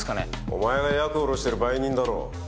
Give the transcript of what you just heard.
お前がヤク卸してる売人だろ？